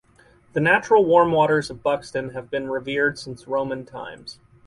The natural warm waters of Buxton have been revered since Roman times.